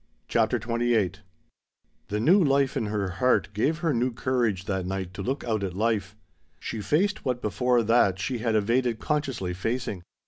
CHAPTER XXVIII The new life in her heart gave her new courage that night to look out at life. She faced what before that she had evaded consciously facing.